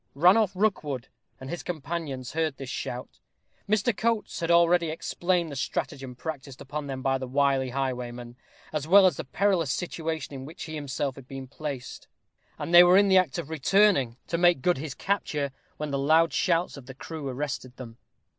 Ranulph Rookwood and his companions heard this shout. Mr. Coates had already explained the stratagem practised upon them by the wily highwayman, as well as the perilous situation in which he himself had been placed; and they were in the act of returning to make good his capture, when the loud shouts of the crew arrested them.